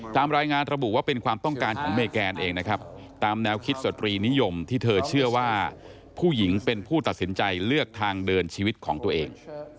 ตามรายงานระบุว่าเป็นความต้องการของเมแกนเองนะครับตามแนวคิดสตรีนิยมที่เธอเชื่อว่าผู้หญิงเป็นผู้ตัดสินใจเลือกทางเดินชีวิตของตัวเอง